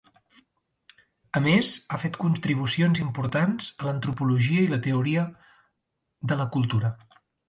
A més, ha fet contribucions importants a l'Antropologia i la Teoria de la Cultura.